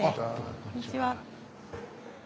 こんにちは。